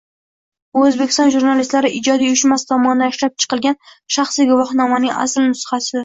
Bu O'zbekiston Jurnalistlari ijodiy uyushmasi tomonidan ishlab chiqilgan shaxsiy guvohnomaning asl nusxasi.